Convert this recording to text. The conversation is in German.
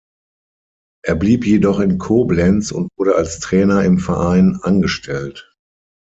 Er blieb jedoch in Koblenz und wurde als Trainer im Verein angestellt.